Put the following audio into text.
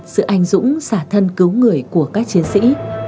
sự anh dũng xả thân cứu người của các chiến sĩ